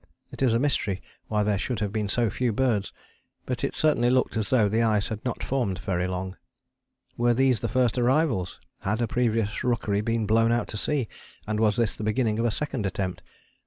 It is a mystery why there should have been so few birds, but it certainly looked as though the ice had not formed very long. Were these the first arrivals? Had a previous rookery been blown out to sea and was this the beginning of a second attempt?